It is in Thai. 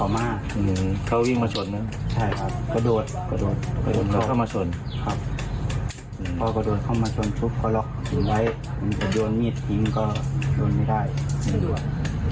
มันจะโดนมีดทิ้งก็โดนไม่ได้